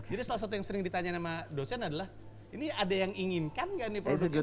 jadi salah satu yang sering ditanya sama dosen adalah ini ada yang inginkan gak ini produknya